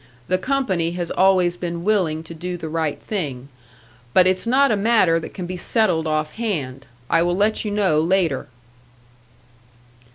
The company has always been willing to do the right thing. But it's not a matter that can be settled off hand. I will let you know later."